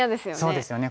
そうですよね。